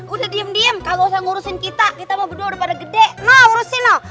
udah diem diem kalau ngurusin kita kita berdua udah pada gede nah urusin